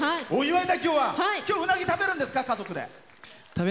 今日は、うなぎ食べるんですか？